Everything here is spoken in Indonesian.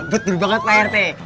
betul banget pak rt